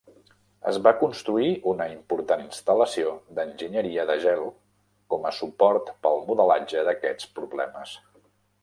Es va construir una important instal·lació d'enginyeria de gel com a suport pel modelatge d'aquests problemes.